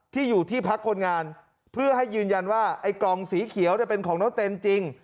ที่อยู่ที่พักคนงานเพื่อให้ยืนยันว่าไอ้กล่องสีเขียวเป็นของน้องเต้นจริง